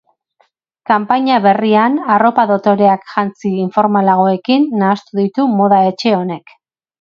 Kanpaina berrian arropa dotoreak jantzi informalagoekin nahastu ditu moda etxe honek.